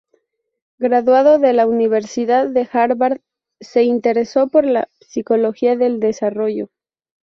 Graduado de la Universidad de Harvard se interesó por la Psicología del desarrollo.